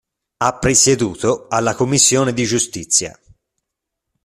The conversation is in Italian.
Ha presieduto alla commissione di Giustizia.